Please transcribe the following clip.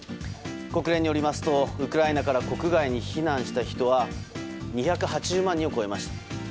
国連によりますとウクライナから国外に避難した人は２８０万人を超えました。